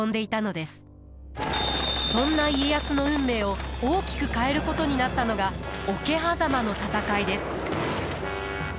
そんな家康の運命を大きく変えることになったのが桶狭間の戦いです。